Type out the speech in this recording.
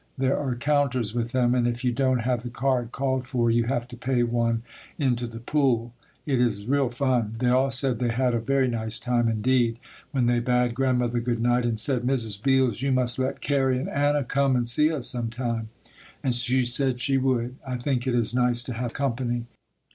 There are counters with them, and if you don't have the card called for you have to pay one into the pool. It is real fun. They all said they had a very nice time, indeed, when they bade Grandmother good night, and said: "Mrs. Beals, you must let Carrie and Anna come and see us some time," and she said she would. I think it is nice to have company.